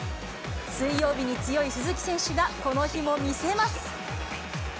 水曜日に強い鈴木選手が、この日も見せます。